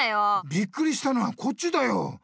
びっくりしたのはこっちだよいたいなあ！